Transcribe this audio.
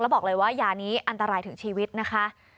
บอกเลยว่ายานี้อันตรายถึงชีวิตนะคะ